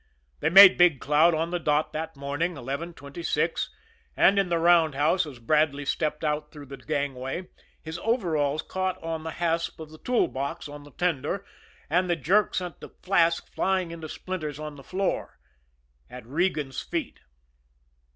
They made Big Cloud on the dot that morning 11.26. And in the roundhouse, as Bradley stepped out through the gangway, his overalls caught on the hasp of the tool box on the tender, and the jerk sent the flask flying into splinters on the floor at Regan's feet.